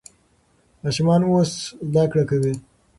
ماشومان اوس زده کړه کوي.